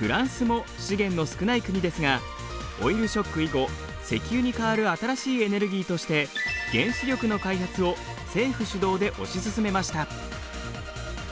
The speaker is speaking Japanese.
フランスも資源の少ない国ですがオイルショック以後石油に代わる新しいエネルギーとして原子力の開発を政府主導で推し進めました。